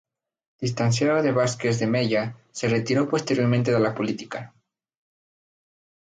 Distanciado de Vázquez de Mella, se retiró posteriormente de la política.